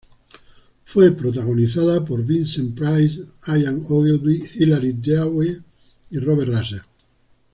Fue protagonizada por Vincent Price, Ian Ogilvy, Hilary Dwyer y Robert Russell.